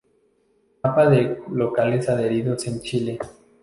Mapa de locales adheridos en Chile.